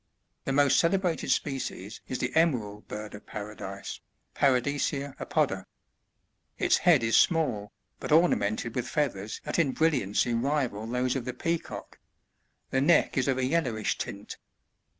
80. The most celebrated species is the Emerald Bird of Para" disc, — ParadiscBa apoda. — Its head is small, but ornamented with feathers that in brilliancy rival those of the peacock ; the neck is of a yellowish tint; the.